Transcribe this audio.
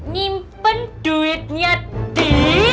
nyimpen duitnya di